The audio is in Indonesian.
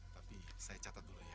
tapi saya catat dulu ya